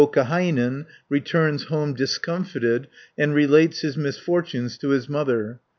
Joukahainen returns home discomfited, and relates his misfortunes to his mother (477 524).